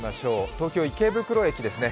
東京・池袋駅ですね。